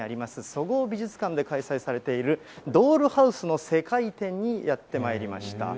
そごう美術館で開催されているドールハウスの世界展にやってまいりました。